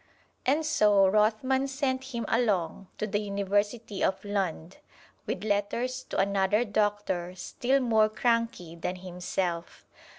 And so Rothman sent him along to the University of Lund, with letters to another doctor still more cranky than himself.